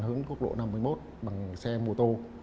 hướng cốc độ năm mươi một bằng xe mô tô